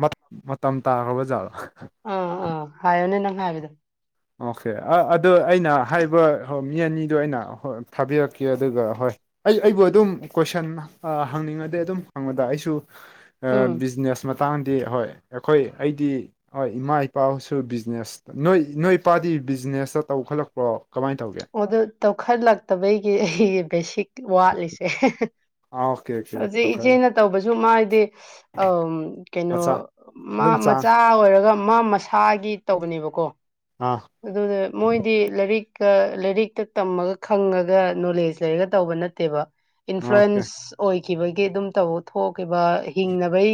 ꯃꯠ ꯃꯇꯝ ꯇꯥꯈ꯭ꯔꯕꯖꯥꯠꯔ ꯑꯥ ꯑꯥ ꯍꯥꯏꯌꯣꯅꯦ ꯅꯪ ꯍꯥꯏꯕꯗꯣ ꯑꯣꯀꯦ ꯑ ꯑꯗꯣ ꯑꯩꯅ ꯍꯥꯏꯕ ꯍꯧ ꯃꯤ ꯑꯅꯤꯗꯣ ꯑꯩꯅ ꯍ ꯊꯥꯕꯤꯔꯛꯀꯦ ꯑꯗꯨꯒ ꯍꯣꯏ ꯑꯩ ꯑꯩꯕꯨ ꯑꯗꯨꯝ ꯀꯣꯏꯁꯟ ꯑ ꯍꯪꯅꯤꯡꯉꯗꯤ ꯑꯗꯨꯝ ꯍꯪꯕꯗ ꯑꯩꯁꯨ ꯑ ꯎꯝ ꯕꯤꯖꯤꯅꯦꯁ ꯃꯇꯥꯡꯗꯤ ꯍꯣꯏ ꯑꯈꯣꯏ ꯑꯩꯗꯤ ꯍꯣꯏ ꯏꯃꯥ ꯏꯄꯥꯥꯎꯁꯨ ꯕꯤꯖꯤꯅꯦꯁꯇ ꯅꯣꯏ ꯅꯣꯏ ꯄꯥꯗꯤ ꯕꯤꯖꯤꯅꯦꯁꯇ ꯇꯧꯈꯠꯂꯛꯄ꯭ꯔꯣ ꯀꯃꯥꯏ ꯇꯧꯒꯦ ꯑꯣꯗꯨ ꯇꯧꯈꯠꯂꯛꯇꯕꯩꯒꯤ ꯑꯩꯒꯤ ꯕꯦꯁꯤꯛ ꯋꯥꯠꯂꯤꯁꯦ ꯑꯥ ꯑꯣꯀꯦ ꯑꯣꯀꯦ ꯍꯧꯖꯤꯛ ꯇꯧꯈꯠꯂ ꯏꯆꯦꯅ ꯇꯧꯕꯁꯨ ꯃꯥꯏꯗꯤ ꯑꯝ ꯀꯩꯅꯣ ꯃꯆꯥ ꯃꯥ ꯑꯗꯨꯝ ꯆꯥꯡ ꯃꯆꯥ ꯑꯣꯏꯔꯒ ꯃꯥ ꯃꯁꯥꯒꯤ ꯇꯧꯕꯅꯦꯕꯀꯣ ꯑꯥ ꯑꯗꯨꯗ ꯃꯣꯏꯗꯤ ꯂꯥꯏꯔꯤꯛꯀ ꯂꯥꯏꯔꯤꯛꯇ ꯇꯝꯃꯒ ꯈꯪꯉꯒ ꯅꯣꯂꯦꯖ ꯂꯩꯔꯒ ꯇꯧꯕ ꯅꯠꯇꯦꯕ ꯑꯣꯀꯦ ꯏꯟꯐ꯭ꯂꯨꯋꯟꯁ ꯑꯣꯏꯈꯤꯕꯒꯤ ꯑꯗꯨꯝ ꯇꯧ ꯊꯣꯛꯈꯤꯕ ꯍꯤꯡꯅꯕꯩ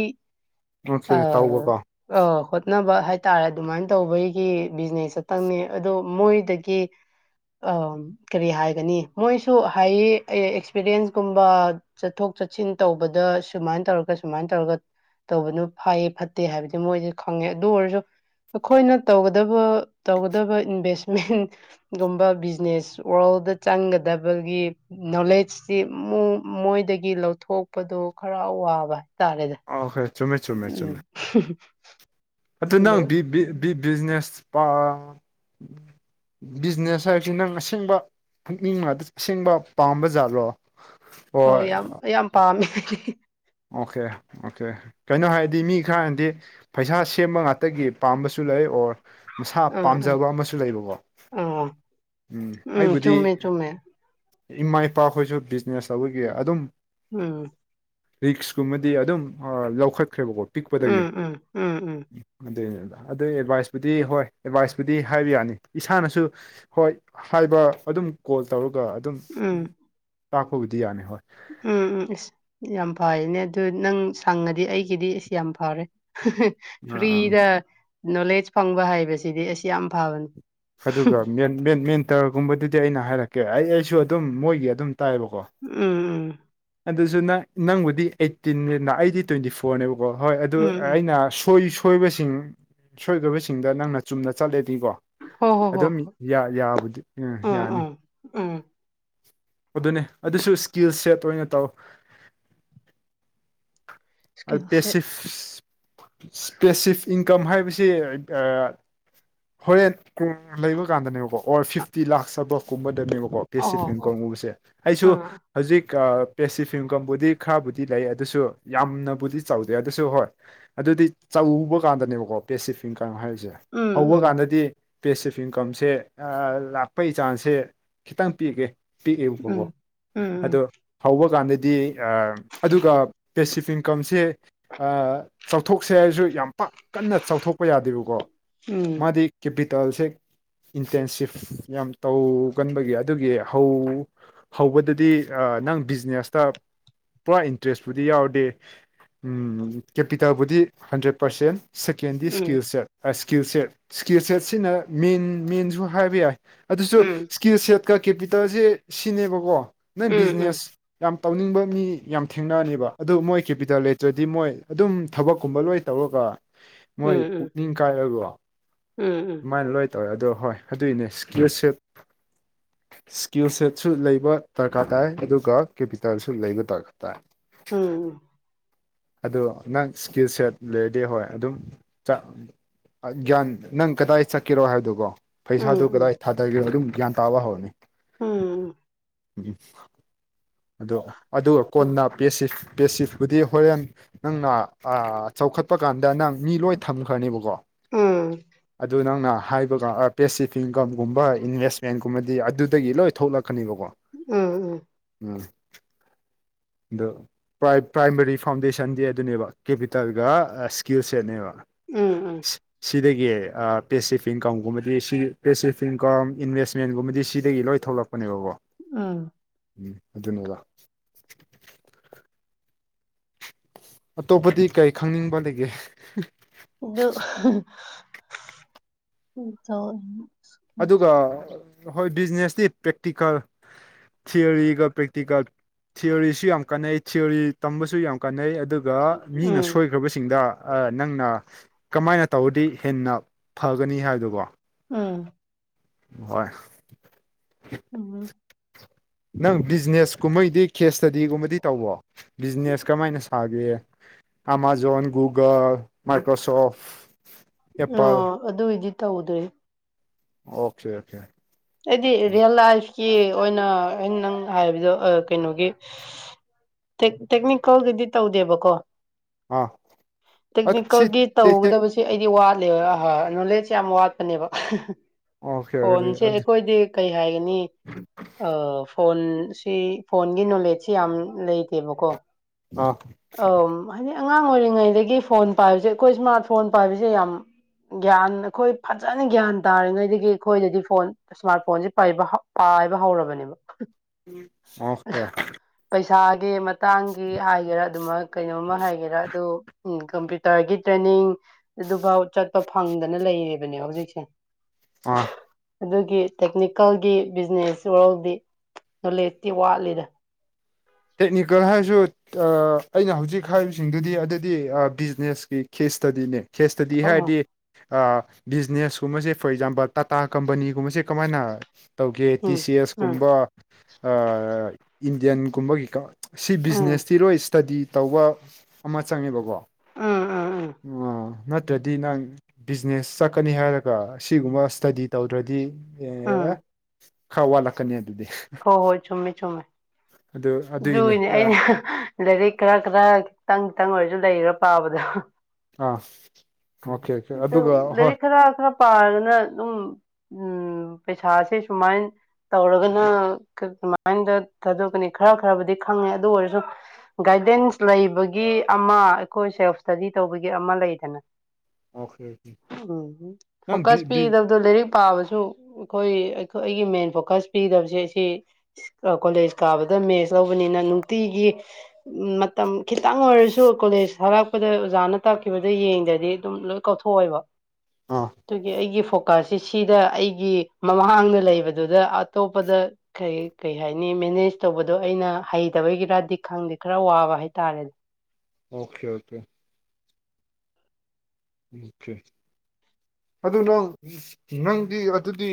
ꯑꯣꯀꯦ ꯑ ꯇꯧꯕꯀꯣ ꯑ ꯍꯣꯠꯅꯕ ꯍꯥꯏꯇꯥꯔꯦ ꯑꯗꯨꯃꯥꯏꯟ‌ ꯇꯧꯕꯒꯤ ꯕꯤꯖꯤꯅꯦꯁ ꯈꯇꯪꯅꯤ ꯑꯗꯣ ꯃꯣꯏꯗꯒꯤ ꯑꯝ ꯀꯔꯤ ꯍꯥꯏꯒꯅꯤ ꯃꯣꯏꯁꯨ ꯍꯥꯏꯌꯦ ꯑꯩ ꯑꯦꯛꯁꯄꯤꯔꯤꯌꯦꯟꯁꯀꯨꯝꯕ ꯆꯠꯊꯣꯛ ꯆꯠꯁꯤꯟ ꯇꯧꯕꯗ ꯁꯨꯃꯥꯏꯟ ꯇꯧꯔꯒ ꯁꯨꯃꯥꯏꯟ ꯇꯧꯔꯒ ꯇꯧꯕꯅꯨ ꯐꯥꯏꯌꯦ ꯐꯠꯇꯦ ꯍꯥꯏꯕꯗꯤ ꯃꯣꯏꯗꯤ ꯈꯪꯉꯦ ꯑꯗꯨ ꯑꯣꯏꯔꯁꯨ ꯑꯈꯣꯏꯅ ꯇꯧꯒꯗꯕ ꯇꯧꯒꯗꯕ ꯏꯟꯚꯦꯁꯃꯦꯟꯒꯨꯝꯕ ꯕꯤꯖꯤꯅꯦꯁ ꯋꯥꯔꯜꯗ ꯆꯪꯒꯗꯕꯒꯤ ꯅꯣꯂꯦꯖꯁꯤ ꯃꯣ ꯃꯣꯏꯗꯒꯤ ꯂꯧꯊꯣꯛꯄꯗꯣ ꯈꯔ ꯋꯥꯕ ꯍꯥꯏꯇꯥꯔꯦꯗ ꯑꯣ ꯍꯣꯏ ꯆꯨꯝꯃꯦ ꯆꯨꯝꯃꯦ ꯆꯨꯝꯃꯦ [unintelligible] ꯑꯗꯨ ꯅꯪꯕꯤ ꯕꯤ ꯕꯤ ꯕꯤꯖꯤꯅꯦꯁ ꯄ ꯕꯤꯖꯤꯅꯦꯁ ꯍꯥꯏꯕꯁꯤ ꯅꯪ ꯑꯁꯦꯡꯕ ꯄꯨꯛꯅꯤꯡꯅꯇ ꯑꯁꯦꯡꯕ ꯄꯥꯝꯕ ꯖꯥꯠꯔꯣ ꯑꯣ ꯌꯥꯝ ꯌꯥꯝ ꯄꯥꯝꯃꯦ ꯑꯣꯀꯦ ꯑꯣꯀꯦ ꯀꯩꯅꯣ ꯍꯥꯏꯔꯗꯤ ꯃꯤ ꯈꯔꯅꯗꯤ ꯄꯩꯁꯥ ꯁꯦꯝꯕ ꯉꯥꯛꯇꯒꯤ ꯄꯥꯝꯕꯁꯨ ꯂꯩ ꯑꯣꯔ ꯃꯁꯥ ꯑꯥ ꯑꯥ ꯄꯥꯝꯖꯕ ꯑꯃꯁꯨ ꯂꯩꯕꯀꯣ ꯑꯥ ꯎꯝ ꯑꯩꯕꯨꯗꯤ ꯆꯨꯝꯃꯦ ꯆꯨꯝꯃꯦ ꯏꯃꯥ ꯏꯄꯥ ꯈꯣꯏꯁꯨ ꯕꯤꯖꯤꯅꯦꯁ ꯇꯧꯕꯒꯤ ꯑꯗꯨꯝ ꯎꯝ ꯔꯤꯛꯁꯀꯨꯝꯕꯗꯤ ꯑꯗꯨꯝ ꯑ ꯂꯧꯈꯠꯈ꯭ꯔꯦꯕꯀꯣ ꯄꯤꯛꯄꯗꯒꯤ ꯎꯝ ꯎꯝ ꯎꯝ ꯎꯝ ꯑꯗꯨꯏꯅꯦꯗ ꯑꯗꯨꯏ ꯑꯦꯗꯚꯥꯏꯁꯄꯨꯗꯤ ꯍꯣꯏ ꯑꯦꯗꯚꯥꯏꯁꯄꯨꯗꯤ ꯍꯥꯏꯕ ꯌꯥꯅꯤ ꯏꯁꯥꯅꯁꯨ ꯍꯣꯏ ꯍꯥꯏꯕ ꯑꯗꯨꯝ ꯀꯣꯜ ꯇꯧꯔꯒ ꯑꯗꯨꯝ ꯎꯝ ꯇꯥꯛꯄꯕꯨꯗꯤ ꯌꯥꯅꯤ ꯍꯣꯏ ꯎꯝ ꯎꯝ ꯏꯁ ꯌꯥꯝ ꯐꯌꯦꯅꯦ ꯑꯗꯨ ꯅꯪ ꯁꯪꯉꯗꯤ ꯑꯩꯒꯤꯗꯤ ꯏꯁ ꯌꯥꯝ ꯐꯔꯦ ꯑꯥ ꯑꯥ ꯐ꯭ꯔꯤꯗ ꯅꯣꯂꯦꯖ ꯐꯪꯕ ꯍꯥꯏꯕꯁꯤꯗꯤ ꯑꯁ ꯌꯥꯝ ꯐꯕꯅꯤ ꯑꯗꯨꯒ ꯃꯦꯟ ꯃꯦꯟ ꯃꯦꯟꯇꯔꯒꯨꯝꯕꯗꯨꯗꯤ ꯑꯩꯅ ꯍꯥꯏꯔꯛꯀꯦ ꯑꯩ ꯑꯩꯁꯨ ꯑꯗꯨꯝ ꯃꯣꯏꯒꯤ ꯑꯗꯨꯝ ꯇꯥꯏꯕꯀꯣ ꯎꯝ ꯎꯝ ꯑꯗꯨꯁꯨꯅ ꯅꯪꯕꯨꯗꯤ ꯑꯩꯠꯇꯤꯅꯤꯅ ꯑꯩꯗꯤ ꯇ꯭ꯋꯦꯟꯇꯤ ꯐꯣꯔ ꯐꯣꯔꯅꯦꯕꯀꯣ ꯍꯣꯏ ꯑꯗꯨ ꯎꯝ ꯎꯝ ꯎꯝ ꯑꯩꯅ ꯁꯣꯏ ꯁꯣ ꯁꯣꯏꯕꯁꯤꯡ ꯁꯣꯏꯗꯣꯏꯕꯁꯤꯡꯗ ꯅꯪꯅ ꯆꯨꯝꯅ ꯆꯠꯂꯦꯗꯤꯀꯣ ꯍꯣ ꯍꯣ ꯍꯣ ꯑꯗꯨꯝ ꯍꯣꯏ ꯌꯥ ꯌꯥꯕꯨꯗꯤ ꯎꯝ ꯌꯥꯅꯤ ꯎꯝ ꯑꯗꯨꯅꯦ ꯑꯗꯨꯁꯨ ꯏꯁꯀꯤꯜ ꯁꯦꯠ ꯇꫭꯏꯅ ꯇꯧ ꯏꯁꯀꯤꯜ ꯄ° ꯁꯦꯠ ꯁꯤꯐ ꯄꯦꯁꯤꯐ ꯏꯟꯀꯝ ꯍꯥꯏꯕꯁꯤ ꯍꯣꯔꯦꯟ [inaudible] ꯂꯩꯕ ꯀꯥꯟꯗꯅꯦꯕꯀꯣ ꯑꯣꯔ ꯐꯤꯐꯇꯤ ꯂꯥꯛꯁ ꯆꯕ ꯀꯨꯝꯕꯗꯅꯦꯕꯀꯣ ꯑꯣ ꯄꯦꯁꯤꯐꯖ ꯑꯣ ꯏꯟꯀꯝ ꯒꯨꯝꯕꯁ° ꯑꯩꯁꯨ ꯑꯥ ꯍꯧꯖꯤꯛ ꯄꯦꯁꯤꯐꯤꯌꯝ ꯏꯟꯀꯝ ꯕꯨꯗꯤ ꯈꯔꯕꯨꯗꯤ ꯂꯩ ꯑꯗꯨꯁꯨ ꯌꯥꯝꯅ ꯕꯨꯗꯤ ꯆꯥꯎꯧꯗꯦ ꯑꯗꯨꯁꯨ ꯍꯣꯏ ꯑꯗꯨꯗꯤ ꯆꯥꯎꯧꯕ ꯀꯥꯟꯗꯅꯦꯕꯀꯣ ꯄꯦꯁꯤꯐꯤꯡ ꯏꯟꯀꯝ ꯍꯥꯏꯔꯤꯁꯦ ꯎꯝ ꯍꯧꯕ ꯎꯝ ꯀꯥꯟꯗꯗꯤ ꯄꯦꯁꯤꯐꯋ ꯏꯟꯀꯝꯁꯦ ꯂꯥꯛꯄꯩ ꯆꯥꯟꯁꯁꯦ ꯈꯤꯇꯪ ꯄꯤꯒꯦ ꯎꯝ ꯄꯤꯛꯑꯦꯕꯕꯀꯣ ꯎꯝ ꯎꯝ ꯑꯗꯣ ꯍꯧꯕ ꯀꯥꯟꯗꯗꯤ ꯑꯥ ꯑꯗꯨꯒ ꯄꯦꯁꯤꯐꯤꯛ ꯏꯟꯀꯝꯁꯦ ꯑꯥ ꯆꯥꯎꯊꯣꯛꯁꯦ ꯍꯥꯏꯔꯁꯨ ꯌꯥꯝ ꯄꯥꯛ ꯀꯟꯅ ꯆꯥꯎꯊꯣꯛꯄ ꯌꯥꯗꯦꯕꯀꯣ ꯎꯝ ꯃꯥꯗꯤ ꯀꯕꯤꯇꯜꯁꯦ ꯏꯟꯇꯦꯟꯁꯤꯞ ꯌꯥꯝ ꯇꯧꯒꯟꯕꯒꯤ ꯑꯗꯨꯒꯤ ꯍꯧ ꯍꯧꯕꯗꯗꯤ ꯅꯪ ꯕꯤꯖꯤꯅꯦꯁꯇ ꯄꯨꯔꯥ ꯏꯟꯇꯔꯦꯁꯄꯨꯗꯤ ꯌꯥꯎꯔꯗꯤ ꯑꯝ ꯀꯦꯄꯤꯇꯥꯕꯨꯗꯤ ꯍꯟꯗ꯭ꯔꯦꯠ ꯄꯥꯔꯁꯦꯟ ꯁꯦꯀꯦꯟꯗꯤ ꯎꯝ ꯏꯁꯀꯤꯜꯁꯦꯠ ꯏꯁꯀꯤꯜ ꯁꯦꯠ ꯏꯁꯀꯤꯜ ꯁꯦꯠꯁꯤꯅ ꯃꯦꯟ ꯃꯦꯟꯁꯨ ꯍꯥꯏꯕ ꯌꯥꯏ ꯑꯗꯨꯁꯨ ꯎꯝ ꯎꯝ ꯀꯤꯔ ꯁꯦꯠꯀ ꯀꯦꯄꯤꯇꯜ ꯁꯦ ꯁꯤꯅꯦꯕꯀꯣ ꯅꯣꯏ ꯎꯝ ꯎꯝ ꯕꯤꯖꯤꯅꯦꯁ ꯌꯥꯝ ꯇꯧꯅꯤꯡꯕ ꯃꯤ ꯌꯥꯝ ꯊꯦꯡꯅꯅꯦꯕ ꯑꯗꯨ ꯃꯣꯏ ꯀꯦꯄꯤꯇ°ꯜ ꯂꯦꯇ꯭ꯔꯗꯤ ꯃꯣꯏ ꯑꯗꯨꯝ ꯊꯕꯛꯀꯨꯝꯕ ꯂꯣꯏ ꯇꯧꯔꯒ ꯎꯝ ꯃꯣꯏ ꯎꯝ ꯄꯨꯛꯅꯤꯡ ꯀꯥꯏꯕꯣ ꯎꯝ ꯎꯝ ꯑꯗꯨꯃꯥꯏꯅ ꯂꯣꯏ ꯇꯧꯋꯦ ꯑꯗꯣ ꯍꯣꯏ ꯑꯗꯨꯏꯅꯦ ꯏꯁ꯭ꯀꯦꯠ ꯁꯠ ꯏꯁ꯭ꯀꯤꯜ ꯁꯦꯠꯁꯨ ꯂꯩꯕ ꯗꯔꯀꯥꯔ ꯇꯥꯏ ꯑꯗꯨꯒ ꯀꯦꯄꯤꯇꯦꯜꯁꯨ ꯂꯩꯕ ꯗꯔꯀꯥꯔ ꯇꯥꯏ ꯎꯝ ꯑꯗꯨ ꯅꯪ ꯏꯁꯀꯤꯜ ꯁꯦꯠ ꯂꯩꯔꯗꯤ ꯍꯣꯏ ꯑꯗꯨꯝ ꯆꯠ ꯒ꯭ꯌꯥꯟ ꯅꯪ ꯀꯗꯥꯏ ꯆꯠꯀꯦꯔꯣ ꯍꯥꯏꯕꯗꯨꯒꯣ ꯄꯩꯁꯥꯗꯨ ꯀꯗꯥꯏ ꯊꯥꯗꯒꯦꯔꯣ ꯑꯗꯨꯝ ꯒ꯭ꯌꯥꯟ ꯇꯥꯕ ꯍꯧꯔꯅꯤ ꯎꯝ ꯎꯝ ꯑꯗꯣ ꯑꯗꯨꯒ ꯀꯣꯟꯅ ꯄꯦꯁꯤ ꯄꯦꯁꯤꯐꯄꯨꯗꯤ ꯍꯣꯔꯦꯟ ꯅꯪꯅ ꯑꯥ ꯆꯥꯎꯈꯠꯄ ꯀꯥꯟꯗ ꯅꯪ ꯃꯤ ꯂꯣꯏ ꯊꯝꯈ꯭ꯔꯅꯦꯕꯀꯣ ꯑꯗꯨ ꯅꯪꯅ ꯍꯥꯏꯕꯒ ꯄꯦꯁꯤꯐ ꯏꯟꯀꯝꯒꯨꯝꯕ ꯏꯟꯚꯦꯁꯃꯦꯟꯒꯨꯝꯕꯗꯤ ꯑꯗꯨꯗꯒꯤ ꯂꯣꯏ ꯊꯣꯛꯂꯛꯀꯅꯤꯕꯀꯣ ꯎꯝ ꯎꯝ ꯎꯝ ꯑꯗꯨ ꯄ꯭ꯔꯥꯏ ꯄ꯭ꯔꯥꯏꯃꯔꯤ ꯐꯥꯎꯟꯗꯦꯁꯟ ꯗꯦ ꯑꯗꯨꯅꯦꯕ ꯀꯦꯄꯤꯇꯜꯒ ꯏꯁꯀꯤꯜ ꯁꯦꯠꯅꯦꯕ ꯎꯝ ꯎꯝ ꯁꯤꯗꯒꯤ ꯑꯥ ꯄꯦꯁꯤꯐ ꯏꯟꯀꯝꯒꯨꯝꯕꯗꯤ ꯄꯦꯁꯤꯐ ꯏꯟꯀꯝ ꯏꯟꯚꯦꯁꯃꯦꯟꯒꯨꯝꯕꯗꯤ ꯁꯤꯗꯒꯤ ꯂꯣꯏ ꯊꯣꯛꯂꯛꯄꯅꯦꯕꯀꯣ ꯎꯝ ꯑꯗꯨꯅꯤꯗ ꯑꯇꯣꯞꯄꯗꯤ ꯀꯔꯤ ꯈꯪꯅꯤꯡꯕ ꯂꯩꯒꯦ ꯑꯗꯨ [inaudible] ꯑꯗꯨꯒ ꯍꯣꯏ ꯕꯤꯖꯤꯅꯦꯁꯇꯤ ꯄ꯭ꯔꯦꯛꯇꯤꯀꯦꯜ ꯊꯤꯌꯣꯔꯤꯒ ꯄ꯭ꯔꯦꯛꯇꯤꯀꯦꯜ ꯊꯤꯌꯣꯔꯤꯁꯨ ꯌꯥꯝ ꯀꯥꯟꯅꯩ ꯊꯤꯌꯣꯔꯤ ꯇꯝꯕꯁꯨ ꯌꯥꯝ ꯀꯥꯟꯅꯩ ꯑꯗꯨ ꯒ ꯃꯤꯅ ꯁꯣꯏ ꯒ꯭ꯔꯕ ꯁꯤꯡꯗ ꯑꯥ ꯅꯪꯅ ꯀꯃꯥꯏꯅ ꯇꯧꯔꯗꯤ ꯍꯦꯟꯅ ꯐꯒꯅꯤ ꯍꯥꯏꯕꯗꯨꯀꯣ ꯎꯝ ꯍꯣꯏ ꯎꯝ ꯅꯪ ꯕꯤꯖꯤꯅꯦꯁ ꯀꯨꯝꯕꯩꯗꯤ ꯀꯦꯁ ꯁ꯭ꯇꯗꯤꯒꯨꯝꯕꯗꯤ ꯇꯧꯕꯣ ꯕꯤꯖꯤꯅꯦꯁ ꯀꯃꯥꯏꯅ ꯁꯥꯒꯦ ꯑꯃꯥꯖꯣꯟ ꯒꯨꯒꯥꯜ ꯃꯥꯏꯀ꯭ꯔꯣꯁꯣꯐ ꯑ ꯑꯦꯄꯜ ꯑꯗꯨꯏꯗꯤ ꯇꯧꯗ꯭ꯔꯦ ꯑꯣꯈꯦ ꯑꯣꯈꯦ ꯑꯩꯗꯤ ꯔꯤꯌꯦꯜ ꯂꯥꯏꯐꯀꯤ ꯑꯣꯏꯅ ꯑꯩꯅ ꯅꯪ ꯍꯥꯏꯕꯗꯣ ꯑꯥ ꯀꯩꯅꯣꯒꯤ ꯇꯦꯛ ꯇꯦꯛꯅꯤꯀꯜꯒꯤꯗꯤ ꯇꯧꯗꯦꯕꯀꯣ ꯑꯥ ꯑꯁꯤ ꯇꯦꯛꯅꯤꯀꯜꯗꯤ ꯇꯧꯒꯗꯕꯁꯤ ꯁꯤ ꯑꯩꯗꯤ ꯋꯥꯠꯂꯦꯕ ꯑꯍꯥ ꯅꯣꯂꯦꯖ ꯌꯥꯝ ꯋꯥꯠꯄꯅꯦꯕ ꯑꯣꯀꯦ ꯐꯣꯟꯁꯦ [unintelligible] ꯑꯗꯨ ꯑꯩꯈꯣꯏꯗꯤ ꯀꯩ ꯍꯥꯏꯒꯅꯤ ꯑ ꯐꯣꯟ ꯁꯤ ꯐꯣꯟꯒꯤ ꯅꯣꯂꯦꯖꯁꯤ ꯌꯥꯝ ꯂꯩꯇꯦꯕꯀꯣ ꯑꯥ ꯑꯧꯝ ꯍꯥꯏꯗꯤ ꯑꯉꯥꯡ ꯑꯣꯏꯔꯤꯉꯩꯗꯒꯤ ꯐꯣꯟ ꯄꯥꯏꯕꯁꯦ ꯑꯩꯈꯣꯏ ꯏꯁꯃꯥꯔꯠ ꯐꯣꯟ ꯄꯥꯏꯕꯁꯦ ꯌꯥꯝ ꯒ꯭ꯌꯥꯟ ꯑꯈꯣꯏ ꯐꯖꯅ ꯒ꯭ꯌꯥꯟ ꯇꯥꯔꯤꯉꯩꯗꯒꯤ ꯑꯩꯈꯣꯏꯗꯗꯤ ꯐꯣꯟ ꯏꯁꯃꯥꯔꯠ ꯐꯣꯟꯁꯦ ꯄꯥꯏꯕ ꯍꯧ ꯄꯥꯏꯕ ꯍꯧꯔꯕꯅꯦꯕ ꯑꯣꯀꯦ ꯄꯩꯁꯥꯗꯤ ꯃꯇꯥꯡꯒꯤ ꯍꯥꯏꯒꯦꯔꯥ ꯑꯗꯨꯃꯛ ꯀꯩꯅꯣꯝꯃ ꯍꯥꯏꯒꯦꯔꯥ ꯑꯗꯨ ꯎꯝ ꯀꯝꯄ꯭ꯌꯨꯇꯔꯒꯤ ꯇ꯭ꯔꯦꯅꯤꯡ ꯑꯗꯨꯐꯥꯎ ꯆꯠꯄ ꯐꯪꯗꯅ ꯂꯩꯔꯤꯕꯅꯦ ꯍꯧꯖꯤꯛꯁꯦ ꯑꯥ ꯑꯗꯨꯒꯤ ꯇꯦꯛꯅꯤꯀꯜꯒꯤ ꯕꯤꯖꯤꯅꯦꯁ ꯋꯥꯔꯜꯗꯤ ꯅꯣꯂꯦꯖꯇꯤ ꯋꯥꯠꯂꯤꯗ ꯇꯦꯛꯅꯤꯀꯜ ꯍꯥꯏꯔꯁꯨ ꯑꯥ ꯑꯩꯅ ꯍꯧꯖꯤꯛ ꯍꯥꯏꯕꯁꯤꯡꯗꯨꯗꯤ ꯑꯗꯨꯗꯤ ꯑꯥ ꯕꯤꯖꯤꯅꯦꯁꯀꯤ ꯈꯦꯁ ꯁ꯭ꯇꯗꯤꯅꯦ ꯈꯦꯁ ꯁ꯭ꯇꯗꯤ ꯑꯣ ꯍꯥꯏꯔꯗꯤ ꯑꯥ ꯕꯤꯖꯤꯅꯦꯁ ꯀꯨꯝꯕꯁꯦ ꯐꯣꯔ ꯑꯦꯛꯖꯥꯝꯄꯜ ꯇꯥꯇꯥ ꯀꯝꯄꯅꯤꯒꯨꯝꯕꯁꯦ ꯀꯃꯥꯏꯅ ꯇꯧꯒꯦ ꯇꯤ ꯎꯝ ꯁꯤ ꯑꯦꯁ ꯎꯝ ꯀꯨꯝꯕ ꯑꯥ ꯏꯟꯗꯤꯌꯥꯟꯒꯨꯝꯕꯒꯤ ꯀꯥ ꯁꯤ ꯎꯝ ꯕꯤꯖꯤꯅꯦꯁꯇꯤ ꯂꯣꯏ ꯁ꯭ꯇꯗꯤ ꯇꯧꯕ ꯑꯃ ꯆꯪꯉꯦꯕꯀꯣ ꯎꯝ ꯎꯝ ꯎꯝ [unintelligible] ꯅꯠ ꯇ꯭ꯔꯗꯤ ꯅꯪ ꯕꯤꯖꯤꯅꯦꯁ ꯆꯠꯀꯅꯤ ꯍꯥꯏꯔꯒ ꯑꯁꯤꯒꯨꯝꯕ ꯁ꯭ꯇꯗꯤ ꯇꯧꯗ꯭ꯔꯗꯤ ꯑꯦ ꯎꯝ ꯈꯔ ꯋꯥꯠꯂꯛꯀꯅꯤ ꯑꯗꯨꯗꯤ ꯍꯣ ꯍꯣꯏ ꯆꯨꯝꯃꯦ ꯆꯨꯝꯃꯦ ꯑꯗꯨ ꯑꯗꯨꯏꯅꯦ ꯑꯗꯨꯒꯤꯅꯦ ꯑꯥ ꯑꯩꯅ ꯂꯥꯏꯔꯤꯛ ꯈꯔ ꯈꯔ ꯈꯤꯇꯪ ꯈꯤꯇꯪ ꯑꯣꯏꯔꯁꯨ ꯂꯩꯔ ꯄꯥꯕꯗꯣ ꯑꯥ ꯑꯣꯀꯦ ꯑꯣꯀꯦ ꯑꯗꯨ ꯑꯗꯨꯒ ꯍꯣꯏ ꯂꯥꯏꯔꯤꯛ ꯈꯔ ꯈꯔ ꯄꯥꯔꯒꯅ ꯑꯗꯨꯝ ꯎꯝ ꯄꯩꯁꯥꯁꯦ ꯁꯨꯃꯥꯏꯟ ꯇꯧꯔꯒꯅ ꯀ ꯀꯃꯥꯏꯅꯗ ꯊꯥꯗꯣꯛꯀꯅꯤ ꯈꯔ ꯈꯔꯕꯨꯗꯤ ꯈꯪꯉꯦ ꯑꯗꯨ ꯑꯣꯏꯔꯁꯨ ꯒꯥꯏꯗꯦꯟꯁ ꯂꯩꯕꯒꯤ ꯑꯃ ꯑꯩꯈꯣꯏ ꯁꯦꯜꯐ ꯁ꯭ꯇꯗꯤ ꯇꯧꯕꯒꯤ ꯑꯃ ꯂꯩꯗꯅ ꯑꯣꯀꯦ ꯑꯣꯀꯦ ꯎꯝ ꯍꯨꯝ ꯅꯪ ꯕꯤ ꯐ‌ꯣꯀꯁ ꯕꯤ ꯄꯤꯒꯗꯕ ꯗꯣ ꯂꯥꯏꯔꯤꯛ ꯄꯥꯕꯁꯨ ꯑꯈ‌ꯣꯏ ꯑꯩꯈꯣꯏ ꯑꯩꯒꯤ ꯃꯦꯟ ꯐꯣꯀꯁ ꯄꯤꯗꯕꯁꯦ ꯁꯤ ꯑ ꯀꯣꯂꯦꯖ ꯀꯥꯕꯗ ꯃꯦꯠꯁ ꯂꯧꯕꯅꯤꯅ ꯅꯨꯡꯇꯤꯒꯤ ꯎꯝ ꯃꯇꯝ ꯈꯤꯇꯪ ꯑꯣꯏꯔꯁꯨ ꯀꯣꯂꯦꯖ ꯊꯥꯔꯛꯄꯗ ꯑꯣꯖꯥꯅ ꯇꯥꯛꯈꯤꯕꯗꯨ ꯌꯦꯡꯗ꯭ꯔꯗꯤ ꯑꯗꯨꯝ ꯂꯣꯏ ꯀꯥꯎꯊꯣꯛꯑꯦꯕ ꯑꯥ ꯑꯗꯨꯒꯤ ꯑꯩꯒꯤ ꯐꯣꯛ ꯑ ꯁꯤꯁꯤꯗ ꯑꯩꯒꯤ ꯃꯃꯥꯡꯅ ꯂꯩꯕꯗꯨꯗ ꯑꯇꯣꯞꯄꯗ ꯀꯩ ꯀ‌ꯩ ꯍꯥꯏꯅꯤ ꯃꯦꯅꯦꯖ ꯇꯧꯕꯗꯣ ꯑꯩꯅ ꯍꯩꯇꯕꯩꯒꯤꯔꯗꯤ ꯈꯪꯗꯦ ꯈꯔ ꯋꯥꯕ ꯍꯥꯏꯇꯥꯔꯦꯅꯦ ꯑꯣꯀꯦ ꯑꯣꯀꯦ [unintelligible] ꯑꯗꯨ ꯅꯪ ꯅꯪꯗꯤ ꯑꯗꯨꯗꯤ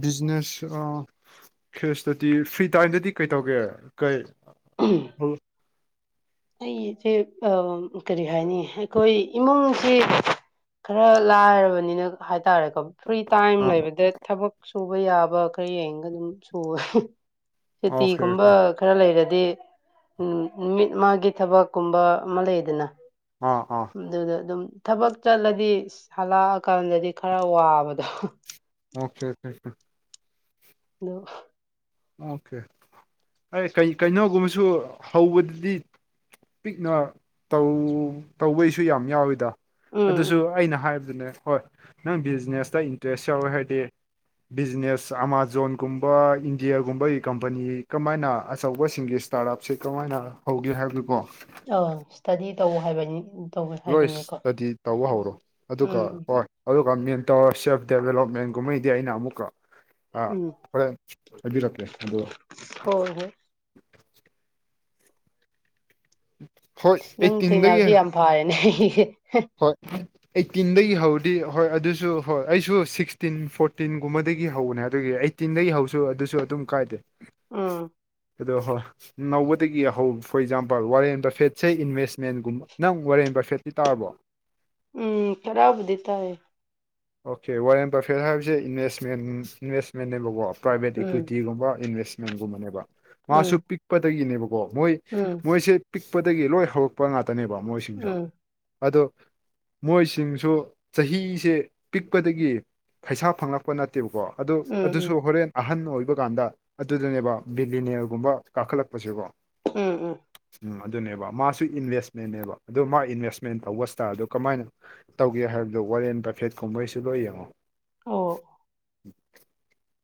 ꯕꯤꯖꯤꯅꯦꯁ ꯑꯥ ꯁꯤꯁꯇꯗꯤ ꯐ꯭ꯔꯤ ꯇꯥꯏꯝꯗꯗꯤ ꯀꯩꯇꯧꯒꯦ ꯀꯩ [inaudible] [inaudible] ꯑꯩꯁꯦ ꯑꯝ ꯀꯔꯤ ꯍꯥꯏꯅꯤ ꯑꯩꯈꯣꯏ ꯏꯃꯨꯡꯁꯤ ꯈꯔ ꯂꯥꯏꯔꯕꯅꯤꯅ ꯍꯥꯏꯇꯥꯔꯦꯀꯣ ꯐ꯭ꯔꯤ ꯇꯥꯏꯝ ꯑꯥ ꯂꯩꯕꯗ ꯊꯕꯛ ꯁꯨꯕ ꯌꯥꯕ ꯈꯔ ꯌꯦꯡꯒ ꯑꯗꯨꯝ ꯁꯨꯋꯦ ꯑꯣꯀꯦ ꯁꯨꯇꯤꯒꯨꯝꯕ ꯑꯣꯀꯦ ꯈꯔ ꯂꯩꯔꯗꯤ ꯎꯝ ꯅꯨꯃꯤꯠ ꯏꯃꯥꯒꯤ ꯊꯕꯛꯀꯨꯝꯕ ꯑꯃ ꯂꯩꯗꯅ ꯑꯥ ꯑꯥ ꯑꯗꯨꯗ ꯑꯗꯨꯝ ꯊꯕꯛ ꯆꯠꯂꯗꯤ ꯍꯜꯂꯛꯑꯀꯥꯟꯗꯗꯤ ꯈꯔ ꯋꯥꯕꯗꯣ ꯑꯣꯀꯦ ꯑꯣꯀꯦ ꯗꯣ ꯑꯣꯀꯦ ꯑꯩ ꯀꯩ ꯀꯩꯅꯣꯒꯨꯝꯕꯁꯨ ꯍꯧꯕꯗꯨꯗꯤ ꯄꯤꯛꯅ ꯇ‌ꯧ ꯇꯧꯕꯩꯁꯨ ꯌꯥꯝ ꯌꯥꯎꯋꯤꯗ ꯎꯝ ꯎꯝ ꯑꯗꯨꯁꯨ ꯑꯩꯅ ꯍꯥꯏꯕꯗꯨꯅꯦ ꯍꯣꯏ ꯅꯪ ꯕꯤꯖꯤꯅꯦꯁꯇ ꯏꯟꯇꯔꯦꯁ ꯌꯥꯎꯋꯦ ꯍꯥꯏꯗꯤ ꯕꯤꯖꯤꯅꯦꯁ ꯑꯃꯥꯥꯖꯣꯟꯒꯨꯝꯕ ꯗꯤꯌꯥꯔꯒꯨꯝꯕꯒꯤ ꯀꯝꯄꯅꯤ ꯀꯃꯥꯏꯅ ꯑꯆꯧꯕꯁꯤꯡꯒꯤ ꯏꯁꯇꯥꯔꯠ ꯑꯞꯁꯦ ꯀꯃꯥꯏꯅ ꯍꯧꯒꯦ ꯍꯥꯏꯕꯗꯨꯀꯣ ꯑ ꯏꯁ꯭ꯇꯗꯤ ꯇꯧ ꯍꯥꯏꯕꯅꯤ ꯇꯧꯋꯦ ꯂꯣꯏ ꯍꯥꯏꯕꯅꯤꯀꯣ ꯏꯁꯇꯗꯤ ꯇꯧꯕ ꯍꯧꯔꯣ ꯑꯗꯨꯒ ꯎꯝ ꯎꯝ ꯍꯣꯏ ꯑꯗꯨꯒ ꯃꯦꯟ ꯇꯧꯔ ꯁꯦꯜꯐ ꯗꯦꯕꯦꯂꯞꯃꯦꯟꯒꯨꯝꯕꯩꯗꯤ ꯑꯩꯅ ꯑꯃꯨꯛꯀ ꯑꯥ ꯎꯝ ꯍ‌ꯣꯔꯦꯟ ꯍꯥꯏꯕꯤꯔꯛꯀꯦ ꯑꯗꯨ ꯍꯣꯏ ꯍꯣꯏ ꯍꯣꯏ ꯅꯪ ꯑꯩꯠꯇꯤꯟꯗꯒꯤ ꯊꯦꯡꯅꯕꯁꯦ ꯌꯥꯝ ꯐꯔꯦꯅꯦ ꯑꯩ ꯍꯣꯏ ꯑꯩꯠꯇꯤꯟꯗꯒꯤ ꯍꯧꯗꯤ ꯍꯣꯏ ꯑꯗꯨꯁꯨ ꯍꯣꯏ ꯑꯩꯁꯨ ꯁꯤꯛꯁꯇꯤꯟ ꯐꯣꯔꯇꯤꯟꯒꯨꯝꯕꯗꯒꯤ ꯍꯧꯕꯅꯦ ꯑꯗꯨꯒꯤ ꯑꯩ ꯇꯤꯟꯗꯒꯤ ꯍꯧꯁꯨ ꯑꯗꯨꯁꯨ ꯑꯗꯨꯝ ꯀꯥꯏꯗꯦ ꯎꯝ ꯑꯗꯣ ꯍꯧ ꯅꯧꯕꯗꯒꯤ ꯍꯧ ꯐꯣꯔ ꯑꯦꯛꯖꯥꯝꯄꯜ ꯋꯥꯔꯦꯟ ꯕꯥꯏꯐꯦꯠꯁ ꯏꯟꯚꯦꯁꯃꯦꯟꯒꯨꯝꯕ ꯅꯪ ꯋꯥꯔꯦꯟ ꯕꯥꯏꯐꯦꯠꯇꯤ ꯇꯥꯔꯕꯣ ꯎꯝ ꯈꯔꯕꯨꯗꯤ ꯇꯥꯏ ꯑꯣꯀꯦ ꯋꯥꯔ ꯑꯟ ꯄꯔꯐꯦ ꯍꯥꯏꯕꯁꯦ ꯏꯟꯚꯦꯁꯃꯦꯟ ꯏꯟꯚꯦꯁꯃꯦꯟꯅꯦꯕꯀꯣ ꯄ꯭ꯔꯥꯏꯚꯦꯠ ꯎꯝ ꯏꯀ꯭ꯋꯤꯇꯤꯒꯨꯝꯕ ꯏꯟꯚꯦꯁꯃꯦꯟꯒꯨꯝꯕꯅꯦꯕ ꯎꯝ ꯃꯥꯁꯨ ꯄꯤꯛꯄꯗꯒꯤꯅꯦꯕꯀꯣ ꯃꯣꯏ ꯎꯝ ꯃꯣꯏꯁꯦ ꯄꯤꯛꯄꯗꯒꯤ ꯂꯣꯏ ꯍꯧꯔꯛꯄ ꯉꯥꯛꯇꯅꯦꯕ ꯎꯝ ꯃꯣꯏꯁꯤꯡꯁꯨ ꯎꯝ ꯑꯗꯣ ꯃꯣꯏꯁꯤꯡꯁꯨ ꯆꯍꯤꯁꯦ ꯄꯤꯛꯄꯗꯒꯤ ꯄꯩꯁꯥ ꯐꯪꯂꯛꯄ ꯅꯠꯇꯦꯕꯀꯣ ꯑꯗꯨ ꯎꯝ ꯑꯗꯨꯁꯨ ꯍꯣꯔꯦꯟ ꯑꯍꯟ ꯑꯣꯏꯕ ꯀꯥꯟꯗ ꯑꯗꯨꯗꯅꯦꯕ ꯕꯤꯂꯤꯅ꯭ꯌꯔꯒꯨꯝꯕ ꯀꯥꯈꯠꯂꯛꯄꯁꯦꯕꯣ ꯎꯝ ꯎꯝ ꯎ ꯑꯗꯨꯅꯦꯕ ꯃꯥꯁꯨ ꯏꯟꯚꯦꯁꯃꯦꯟꯅꯦꯕ ꯑꯗꯣ ꯃꯥ ꯏꯟꯚꯦꯁꯃꯦꯟ ꯇꯧꯕꯁꯤꯗ ꯑꯗꯣ ꯀꯃꯥꯏꯅ ꯇꯧꯒꯦ ꯍꯥꯏꯕꯗꯣ ꯋꯥꯔꯦꯟ ꯄꯐꯦꯠ ꯀꯨꯝꯕꯩꯁꯨ ꯂꯣꯏ ꯌꯦꯡꯉꯣ ꯑꯣ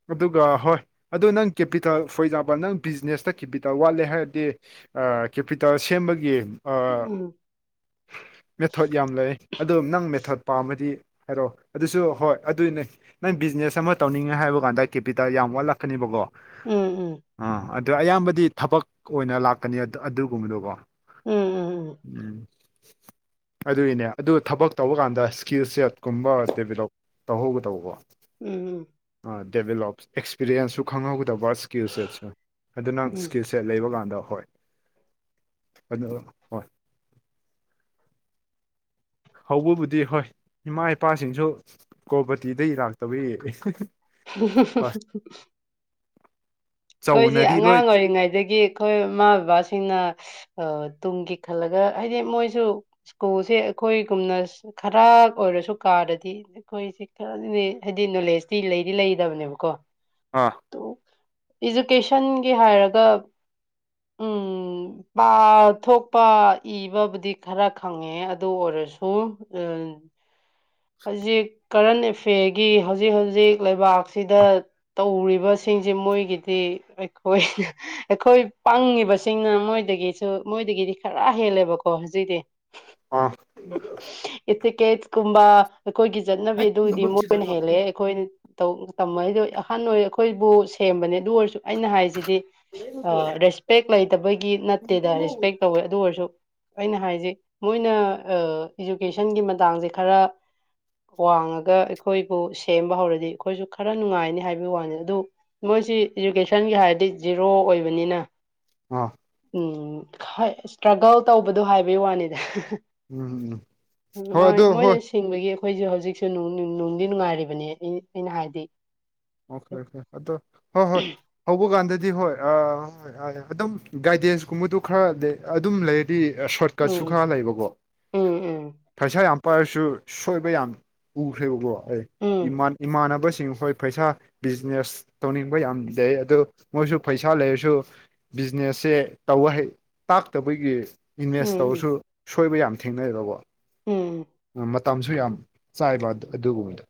ꯑꯗꯨꯒ ꯍꯣꯏ ꯑꯗꯣ ꯅꯪ ꯀꯦꯄꯤꯇꯜ ꯐꯣꯔ ꯑꯦꯛꯖꯥꯝꯄꯜ ꯅꯪ ꯕꯤꯖꯤꯅꯦꯁꯇ ꯀꯦꯄꯤꯇꯜ ꯋꯥꯠꯂꯦ ꯍꯥꯏꯔꯗꯤ ꯑ ꯀꯦꯄꯤꯇꯜ ꯁꯦꯝꯕꯒꯤ ꯑ [unintelligible] ꯃꯦꯊꯣꯠ ꯌꯥꯝ ꯂꯩ ꯑꯗꯣ ꯅꯪ ꯃꯦꯊꯠ ꯄꯥꯝꯃꯗꯤ ꯍꯥꯏꯔꯛꯑꯣ ꯑꯗꯨꯁꯨ ꯍꯣꯏ ꯑꯗꯨꯏꯅꯦ ꯅꯪ ꯕꯤꯖꯤꯅꯦꯁ ꯑꯃ ꯇꯧꯅꯤꯡꯉꯦ ꯍꯥꯏꯕ ꯀꯥꯟꯗ ꯀꯦꯄꯤꯇꯜ ꯌꯥꯝ ꯋꯥꯠꯂꯛꯀꯅꯤꯕꯀꯣ ꯎꯝ ꯎꯝ ꯑꯥ ꯑꯗꯨ ꯑꯌꯥꯝꯕꯗꯤ ꯊꯕꯛ ꯑꯣꯏꯅ ꯂꯥꯛꯀꯅꯤ ꯑꯠ ꯑꯗꯨꯒꯨꯝꯕꯗꯀꯣ ꯎꯝ ꯑꯗꯨꯏꯅꯦ ꯑꯗꯨ ꯊꯕꯛ ꯇꯧꯕ ꯀꯥꯟꯗ ꯁ꯭ꯀꯤꯜ ꯁꯦꯠ ꯀꯨꯝꯕ ꯗꯦꯕꯦꯂꯞ ꯇꯧꯍꯧꯒ ꯇꯧꯕ ꯎꯝ ꯎꯝ ꯑ ꯗꯦꯚꯦꯂꯣꯞ ꯑꯦꯛꯁꯄꯤꯔꯤꯌꯦꯟꯁꯁꯨ ꯈꯪꯍꯧꯒꯗꯕ ꯁ꯭ꯀꯤꯜ ꯁꯦꯠꯁꯨ ꯑꯗꯨ ꯅꯪ ꯎꯝ ꯁ꯭ꯀꯤꯜ ꯁ ꯁꯦꯠ ꯂꯩꯕ ꯀꯥꯟꯗ ꯍꯣꯏ ꯑꯗꯨ ꯍꯣꯏ ꯍꯧꯕꯕꯨꯗꯤ ꯍꯣꯏ ꯏꯃꯥ ꯏꯄꯥꯁꯤꯡꯁꯨ ꯀꯣꯕꯇꯤꯗꯩ ꯂꯥꯛꯇꯕꯩ [unintelligible] ꯈꯣꯏꯗꯤ ꯆꯧꯅꯗꯤ ꯑꯉꯥꯡ ꯂꯣꯏ ꯑꯣꯏꯔꯤꯉꯩꯗꯒꯤ ꯑꯈꯣꯏ ꯃꯃꯥ ꯕꯕꯥꯁꯤꯡꯅ ꯑ ꯇꯨꯡꯒꯤ ꯈꯜꯂꯒ ꯍꯥꯏꯗꯤ ꯃꯣꯏꯖꯨ ꯁ꯭ꯀꯨꯜꯁꯦ ꯑꯩꯈꯣꯏꯒꯨꯝꯅ ꯈꯔ ꯑꯣꯏꯔꯁꯨ ꯀꯥꯔꯗꯤ ꯑꯩꯈꯣꯏꯁꯤ ꯈꯔꯗꯅꯤ ꯍꯥꯏꯗꯤ ꯅꯣꯂꯦꯖꯇꯤ ꯂꯩꯗꯤ ꯂꯩꯒꯗꯕꯅꯦꯕꯀꯣ ꯑꯥ ꯏꯖꯨꯀꯦꯁꯟꯒꯤ ꯍꯥꯏꯔꯒ ꯎꯝ ꯄꯥꯊꯣꯛꯄ ꯏꯕꯕꯨꯗꯤ ꯈꯔ ꯈꯪꯉꯦ ꯉꯦ ꯑꯗꯨ ꯑꯣꯏꯔꯁꯨ ꯎꯝ ꯍꯧꯖꯤꯛ ꯀꯔꯟ ꯑꯦꯐ꯭ꯌꯔꯒꯤ ꯍꯧꯖꯤꯛ ꯍꯧꯖꯤꯛ ꯂꯩꯕꯥꯛꯁꯤꯗ ꯇꯧꯔꯤꯕꯁꯤꯡꯁꯦ ꯃꯣꯏꯒꯤꯗꯤ ꯑꯩꯈꯣꯏ ꯑꯩꯈꯣꯏ ꯄꯪꯉꯤꯕꯁꯤꯡꯅ ꯃꯣꯏꯗꯒꯤꯁꯨ ꯃꯣꯏꯗꯒꯤꯗꯤ ꯈꯔ ꯍꯦꯜꯂꯦꯕꯀꯣ ꯍꯨꯖꯤꯛꯇꯤ [unintelligible] ꯑꯥ ꯏꯇꯤꯀꯦꯠꯁ ꯀꯨꯝꯕ ꯑꯈꯣꯏꯒꯤ ꯆꯠꯅꯕꯤ ꯑꯥ ꯎꯝ ꯑꯗꯨꯗꯤ ꯃꯣꯏꯅ ꯍꯦꯜꯂꯦꯍꯦ ꯑꯈꯣꯏꯟ ꯇꯧ ꯇꯝꯃꯛꯢꯗꯣ ꯑꯍꯟ ꯑꯣꯏꯔꯦ ꯑꯈꯣꯏꯕꯨ ꯁꯦꯝꯕꯅꯦ ꯑꯗꯨ ꯑꯣꯏꯔꯁꯨ ꯑꯩꯅ ꯍꯥꯏꯁꯤꯗꯤ ꯑ ꯔꯦꯁꯄꯦꯛ ꯂꯩꯇꯕꯒꯤ ꯅꯠꯇꯦꯗ ꯔꯦꯁꯄꯦꯛ ꯇꯧꯋꯦ ꯑꯗꯨ ꯑꯣꯏꯔꯁꯨ ꯑꯩꯅ ꯍꯥꯏꯖꯦ ꯃꯣꯏꯅ ꯑ ꯏꯖꯨꯀꯦꯁꯟꯒꯤ ꯃꯇꯥꯡꯖꯦ ꯈꯔ ꯋꯥꯡꯉꯒ ꯑꯩꯈꯣꯏꯕꯨ ꯁꯦꯝꯕ ꯍꯧꯔꯗꯤ ꯑꯈꯣꯏꯖꯨ ꯈꯔ ꯅꯨꯡꯉꯥꯏꯅꯤ ꯍꯥꯏꯕꯩ ꯋꯥꯅꯤꯗ ꯑꯗꯨ ꯃꯣꯏꯁꯤ ꯏꯖꯨꯀꯦꯁꯟꯒꯤ ꯍꯥꯏꯔꯗꯤ ꯖꯦꯔꯣ ꯑꯣꯏꯕꯅꯤꯅ ꯑꯥ ꯎꯝ ꯈꯥꯢ ꯁꯇ꯭ꯔꯒꯜ ꯇꯧꯕꯗꯣ ꯍꯥꯏꯕꯩ ꯋꯥꯅꯤꯗ ꯎꯝ ꯎꯝ ꯍꯣꯏ ꯃꯣꯢ ꯑꯗꯨ ꯃꯣꯏꯅ ꯍꯣꯏ ꯁꯤ ꯊꯤꯡꯕꯒꯤ ꯑꯩꯈꯣꯏꯖꯨ ꯍꯨꯖꯤꯛꯁꯨ ꯅꯨꯡ ꯅꯨꯡ ꯅꯨꯡꯗꯤ ꯅꯨꯡꯉꯥꯏꯔꯤꯕꯅꯦ ꯑꯩ ꯑꯩꯅ ꯍꯥꯏꯗꯤ ꯑꯣꯈꯦ ꯑꯣꯈꯦ ꯑꯗꯣ ꯍꯣꯏ ꯍꯣꯏ ꯍꯧꯕ ꯀꯥꯟꯗꯗꯤ ꯍꯣꯏ ꯑ ꯍꯣꯏ ꯑ ꯑꯗꯨꯝ ꯒꯥꯏꯗꯦꯟꯁ ꯀꯨꯝꯕꯗꯨ ꯈꯔꯗꯦ ꯑꯗꯨꯝ ꯂꯩꯔꯗꯤ ꯑ ꯁꯣꯔꯠꯀꯠꯁꯨ ꯎꯝ ꯈꯔ ꯂꯩꯕꯀꯣ ꯎꯝ ꯎꯝ ꯄꯩꯁꯥ ꯌꯥꯝ ꯄꯥꯏꯔꯁꯨ ꯁꯣꯏꯕ ꯌꯥꯝ ꯎꯈ꯭ꯔꯦꯕꯀꯣ ꯑꯩꯥ ꯎꯝ ꯏꯃꯥꯟ ꯢꯃꯥꯟꯅꯕꯁꯤꯡ ꯍꯣꯏ ꯄꯩꯁꯥ ꯕꯤꯖꯤꯅꯦꯁ ꯇꯧꯅꯤꯡꯕ ꯌꯥꯝ ꯂꯩ ꯑꯗꯨ ꯃꯣꯏꯁꯨ ꯄꯩꯁꯥ ꯂꯩꯔꯁꯨ ꯕꯤꯖꯤꯅꯦꯁꯁꯦ ꯇꯧꯕ ꯍꯩ ꯇꯥꯛꯇꯕꯒꯤ ꯏꯟꯚꯦꯁ ꯎꯝ ꯇꯧꯔꯁꯨ ꯁꯣꯏꯕ ꯌꯥꯝ ꯊꯦꯡꯅꯩꯌꯦꯕꯀꯣ ꯎꯝ ꯃꯇꯝꯁꯨ ꯌꯥꯝ ꯆꯥꯏꯕ ꯑꯗꯨ ꯑꯗꯨꯒꯨꯝꯕꯗꯨ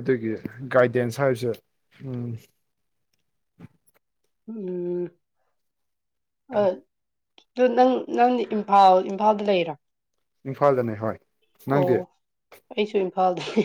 ꯑꯗꯨꯒꯤ ꯒꯥꯏꯗꯦꯟꯁ ꯍꯥꯏꯕꯁ‌‌ꯦ [unintelligible] ꯎꯝ ꯑꯗꯨ ꯅꯪ ꯅꯪꯗꯤ ꯏꯝꯐꯥꯜ ꯏꯝꯐꯥꯜꯗ ꯂꯩꯔꯣ ꯏꯝꯐꯥꯜꯗꯅꯦ ꯍꯣꯏ ꯅꯪꯗꯤ ꯑꯣ ꯑꯩꯁꯨ ꯏꯝꯐꯥꯜꯗꯅꯦ